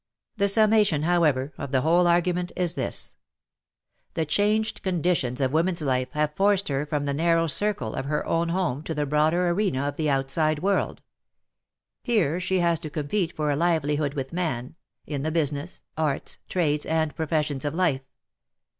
The summation, however, of the whole argument is this. The changed conditions of woman's life have forced her from the narrow WAR AND WOMEN 23; circle of her own home to the broader arena of the outside world. Here she has to compete for a livelihood with man, in the business, arts, trades, and professions of life.